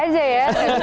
tetep aja ya